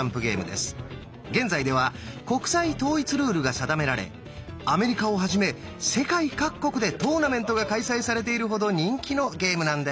現在では国際統一ルールが定められアメリカをはじめ世界各国でトーナメントが開催されているほど人気のゲームなんです。